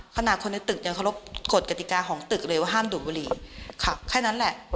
ขนาดคนในตึกยังเคารพกฎกติกาของตึกเลยว่าห้ามดูดบุหรี่ค่ะแค่นั้นแหละ